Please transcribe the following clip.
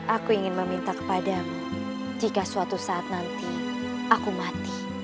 aku ingin meminta kepadamu jika suatu saat nanti aku mati